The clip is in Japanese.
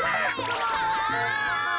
うわ！